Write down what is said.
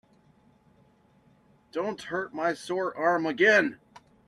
Don't hurt my sore arm again.